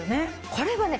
これはね